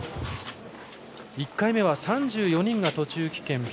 １回目は３４人が途中棄権。